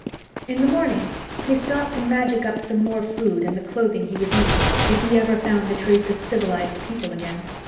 In the morning, he stopped to magic up some more food and the clothing he would need if he ever found the trace of civilized people again.